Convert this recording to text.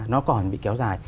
nó còn bị kéo dài